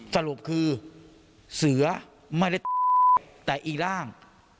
สรุปคือเสือไม่ได้แต่อีร่าง